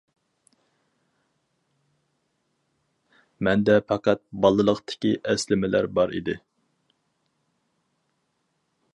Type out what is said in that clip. مەندە پەقەت بالىلىقتىكى ئەسلىمىلەر بار ئىدى.